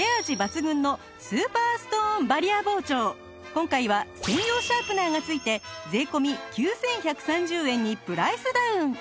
今回は専用シャープナーが付いて税込９１３０円にプライスダウン！